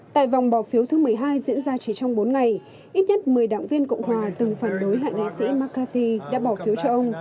tại vòng bỏ phiếu thứ một mươi hai diễn ra chỉ trong bốn ngày ít nhất một mươi đảng viên cộng hòa từng phản đối hạ nghị sĩ mccarthy đã bỏ phiếu cho ông